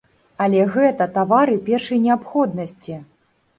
Але гэта тавары першай неабходнасці.